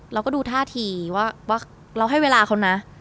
เราก็ดูท่าทีว่าเราให้เวลาเขานะ